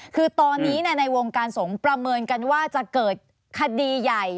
คือตอนนี้ในวงการสงฆ์ประเมินกันว่าจะเกิดคดีใหญ่